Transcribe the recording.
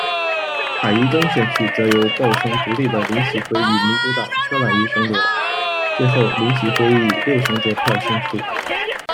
海怡东选区则由报称独立的林启晖与民主党车宛谕争夺，最后林启晖以六成得票胜出。